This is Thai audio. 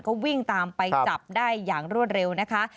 ก็วิ่งตามไปจับได้อย่างรวดเร็วนะคะ